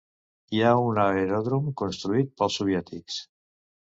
Hi ha un aeròdrom construït pels soviètics.